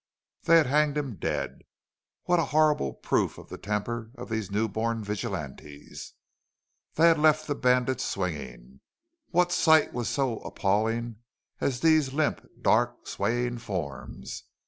They had hanged him dead. What a horrible proof of the temper of these newborn vigilantes! They had left the bandits swinging. What sight was so appalling as these limp, dark, swaying forms?